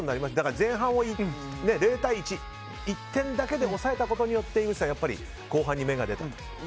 前半を０対１、１点だけで抑えたことによって井口さん後半に目が出た？